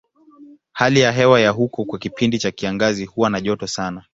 Hali ya hewa ya huko kwa kipindi cha kiangazi huwa na joto sana.